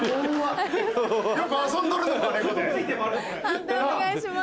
判定お願いします。